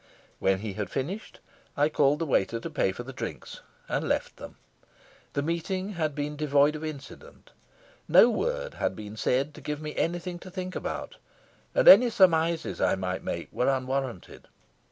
When he had finished I called the waiter to pay for the drinks, and left them. The meeting had been devoid of incident. No word had been said to give me anything to think about, and any surmises I might make were unwarranted.